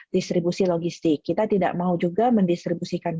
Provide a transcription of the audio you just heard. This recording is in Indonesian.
distribusi logistik kita tidak mau juga mendistribusikan